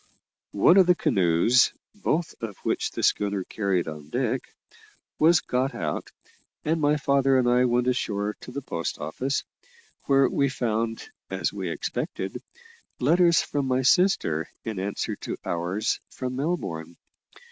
One of the canoes (both of which the schooner carried on deck) was got out, and my father and I went ashore to the post office, where we found, as we expected, letters from my sister in answer to ours from Melbourne.